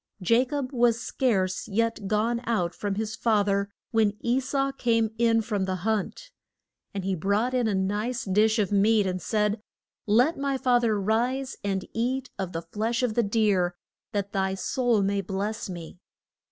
Ja cob was scarce yet gone out from his fa ther when E sau came in from the hunt. And he brought in a nice dish of meat, and said, Let my fa ther rise and eat of the flesh of the deer, that thy soul may bless me.